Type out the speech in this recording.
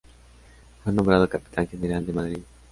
Fue nombrado capitán general de Madrid.